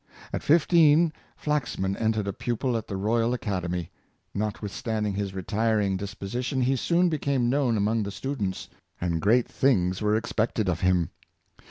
At fifteen Flax man entered a pupil at the Royal Academy. Notwith standing his retiring disposition, he soon became known among the students; and great things were expected of him.